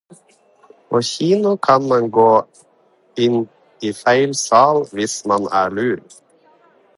På kino kan man gå inn i feil sal hvis man er lur.